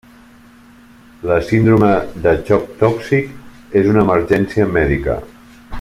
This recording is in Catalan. La síndrome de xoc tòxic és una emergència mèdica.